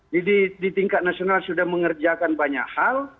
jadi di tingkat nasional sudah mengerjakan banyak hal